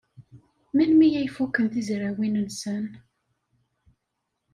Melmi ay fuken tizrawin-nsen?